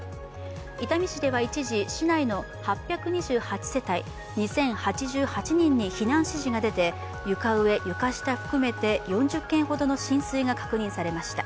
伊丹市では一時、市内の８２８世帯、２０８８人に避難指示が出て床上床下含めて４０軒ほどの浸水が確認されました。